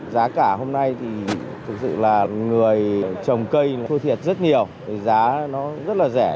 giá cả hôm nay thì thực sự là người trồng cây thôi thiệt rất nhiều giá nó rất là rẻ